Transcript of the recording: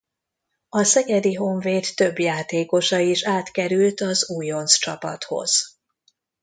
A Szegedi Honvéd több játékosa is átkerült az újonc csapathoz.